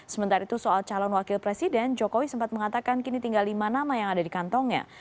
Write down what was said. sementara itu soal calon wakil presiden jokowi sempat mengatakan kini tinggal lima nama yang ada di kantongnya